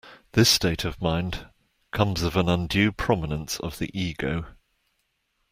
This state of mind comes of an undue prominence of the ego.